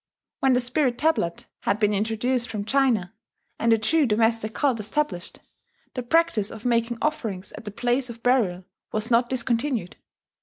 When the spirit tablet had been introduced from China, and a true domestic cult established, the practice of making offerings at the place of burial was not discontinued.